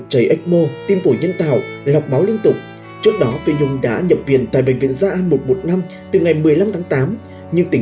xin chào và hẹn gặp lại